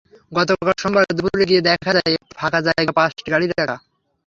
গতকাল সোমবার দুপুরে গিয়ে দেখা যায়, একটু ফাঁকা জায়গায় পাঁচটি গাড়ি রাখা।